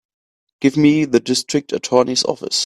Give me the District Attorney's office.